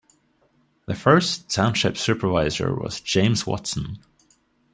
The first Township Supervisor was James Watson.